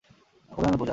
অভিনন্দন, পূজা।